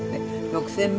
６０００